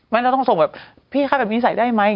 ไม่แล้วต้องส่งแบบพี่ถ้าภายมีใส่ได้ไหม